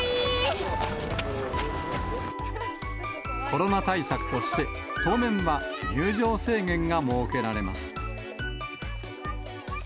コロナ対策として、当面は入場制限が設けられます。